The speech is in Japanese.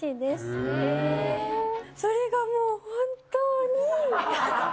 それがもう本当に。